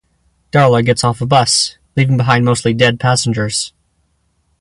Darla gets off of a bus, leaving behind mostly dead passengers.